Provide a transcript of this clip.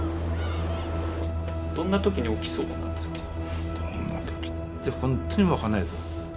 どんな時に起きそうなんですか？